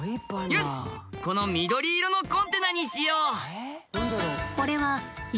よしこの緑色のコンテナにしよう！